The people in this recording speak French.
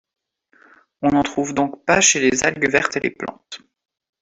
On n'en trouve donc pas chez les algues vertes et les plantes.